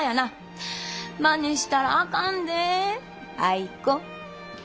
まねしたらあかんでアイ子。